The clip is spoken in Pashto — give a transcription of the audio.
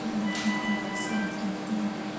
وروسته د ذهن فشار زیاتېږي.